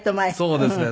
そうですね。